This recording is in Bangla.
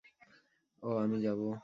অহ, আমি যাবো।